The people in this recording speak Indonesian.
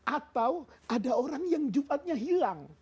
atau ada orang yang jumatnya hilang